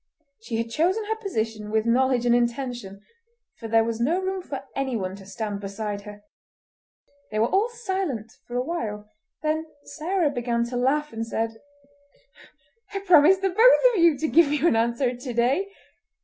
She had chosen her position with knowledge and intention, for there was no room for anyone to stand beside her. They were all silent for a while; then Sarah began to laugh and said:— "I promised the both of you to give you an answer to day.